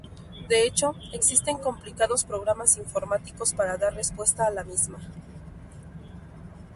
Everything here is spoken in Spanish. De hecho, existen complicados programas informáticos para dar respuesta a la misma.